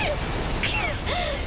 くっ！